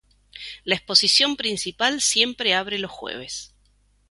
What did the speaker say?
La exposición principal siempre abre los jueves.